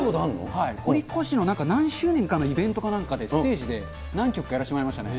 はい、堀越の何周年かのイベントかなんかで、ステージで何曲かやらせてもらいましたね。